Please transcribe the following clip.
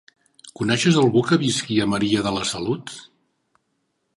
Coneixes algú que visqui a Maria de la Salut?